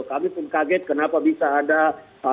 kami pun kaget kenapa bisa ada